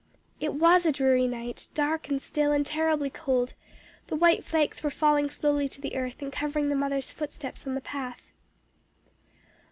"It was a dreary night, dark and still and terribly cold; the white flakes were falling slowly to the earth, and covering the mother's footsteps on the path.